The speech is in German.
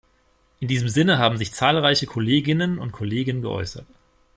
In diesem Sinne haben sich zahlreiche Kolleginnen und Kollegen geäußert.